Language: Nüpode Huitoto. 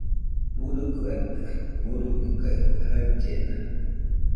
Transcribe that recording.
Murukɨ atɨ, murubɨ kaɨ jaɨllena